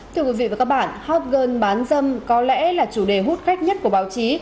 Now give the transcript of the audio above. thưa quý vị và các bạn hot girl bán dâm có lẽ là chủ đề hút khách nhất của báo chí